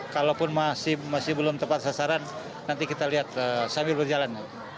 kalaupun masih belum tepat sasaran nanti kita lihat sambil berjalan